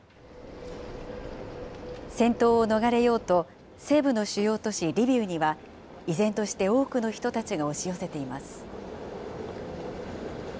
戦闘を逃れようと、西部の主要都市リビウには、依然として多くの人たちが押し寄せています。